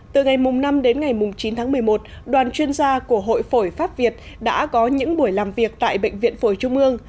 từ ngày năm đến ngày chín tháng một mươi một đoàn chuyên gia của hội phổi pháp việt đã có những buổi làm việc tại bệnh viện phổi trung ương